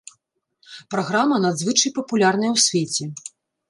Праграма надзвычай папулярная ў свеце.